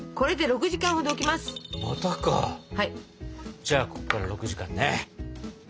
じゃあここから６時間ね。